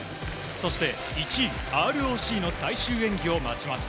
そして１位、ＲＯＣの最終演技を待ちます。